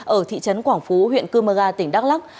ở thị trấn quảng phú huyện cư mơ ga tỉnh đắk lắc